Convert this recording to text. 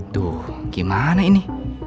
duh gimana ini